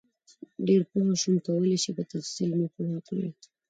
ډېر پوه شم کولای شئ په تفصیل مې پوه کړئ؟